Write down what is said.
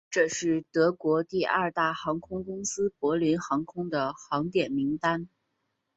这是德国第二大航空公司柏林航空的航点名单。